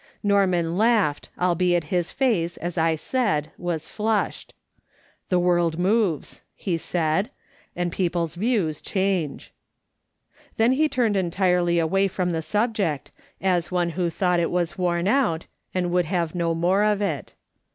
Norman lauglied, albeit his face, as I said, was flushed. " The world moves," he said, " and people's views change." Then he turned entirely away from the subject, as one who thought it was worn out, and would have no more of it.